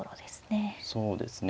そうですね